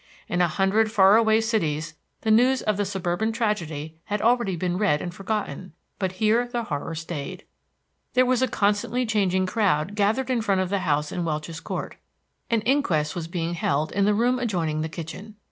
In a hundred far away cities the news of the suburban tragedy had already been read and forgotten; but here the horror stayed. There was a constantly changing crowd gathered in front of the house in Welch's Court. An inquest was being held in the room adjoining the kitchen.